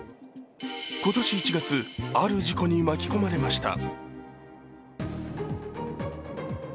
今年１月、ある事故に巻き込まれました。